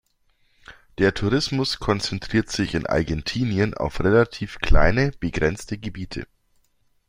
Der Tourismus konzentriert sich in Argentinien auf relativ kleine, begrenzte Gebiete.